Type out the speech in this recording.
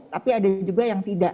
tapi ada juga yang tidak